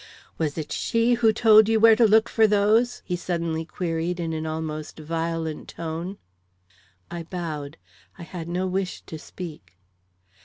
"Was it she who told you where to look for those?" he suddenly queried in an almost violent tone. I bowed; I had no wish to speak.